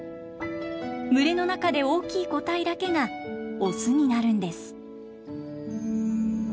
群れの中で大きい個体だけがオスになるんです。